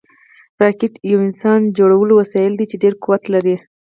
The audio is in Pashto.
راکټ یو انسانجوړ وسایل دي چې ډېر قوت لري